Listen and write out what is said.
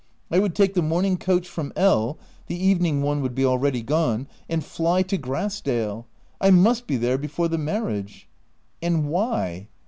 I would take the morning coach from L (the evening one would be already gone), and fly to Grass dale, I must be there before the marriage. And why